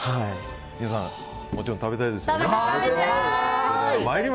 皆さん、もちろん食べたいですよね。